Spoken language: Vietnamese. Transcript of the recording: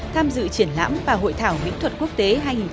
tham dự triển lãm và hội thảo mỹ thuật quốc tế hai nghìn một mươi chín